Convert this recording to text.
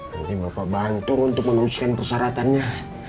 mungkin bapak bantu untuk meneruskan persyaratannya